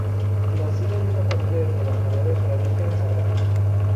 Nacido en una familia de trabajadores radicada en Zárate.